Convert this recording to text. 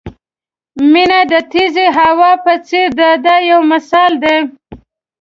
مینه د تېزې هوا په څېر ده دا یو مثال دی.